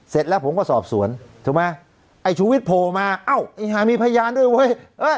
เสร็จแล้วผมก็สอบสวนถูกมั้ยไอ้ชูวิตโผล่มาอ้าวไอ้หายมีพยานด้วยเว้ย